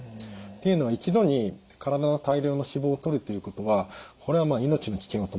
っていうのは一度に体の大量の脂肪をとるということはこれはまあ命の危険を伴います。